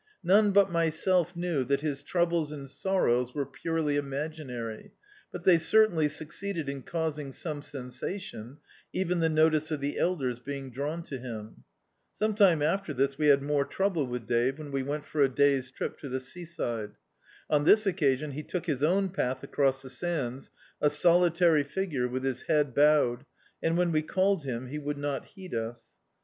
None but myself knew that his troubles and sor rows were purely imaginary, but they certainly suc ceeded in causing some sensation, even the notice of the elders being drawn to him. Sane time after this we had more trouble with Dave; when we went for a day's trip to the sea side. On this occasion he took his own path across the sands, a solitary figure, with his head bowed, and when we called him he would not heed us.